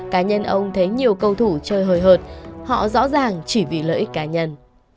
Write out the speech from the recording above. cá nhân ông thấy nhiều cầu thủ chơi hời hợt họ rõ ràng chỉ vì lợi ích cá nhân